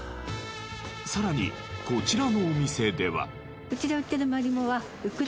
さらにこちらのお店では。